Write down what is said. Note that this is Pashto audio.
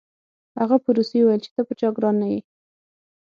هغه په روسي وویل چې ته په چا ګران نه یې